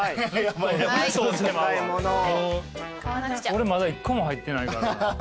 俺まだ１個も入ってないからな。